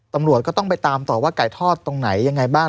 ตำรวจก็ต้องไปตามต่อว่าไก่ทอดตรงไหนยังไงบ้าง